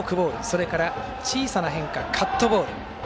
あとは小さな変化カットボール。